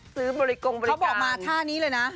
ซื้อบริกรมบริการเขาบอกมาท่านี้เลยนะ